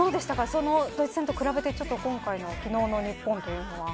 そのドイツ戦と比べて昨日の日本というのは。